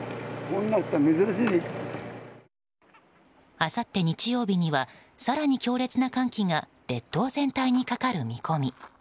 あさって日曜日には更に強烈な寒気が列島全体にかかる見込み。